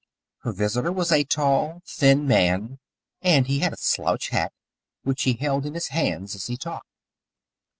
Her visitor was a tall, thin man, and he had a slouch hat, which he held in his hands as he talked.